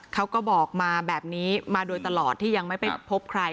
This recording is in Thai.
เขาก็บอกมาแบบนี้มาโดยตลอดที่ยังไม่ไปพบใคร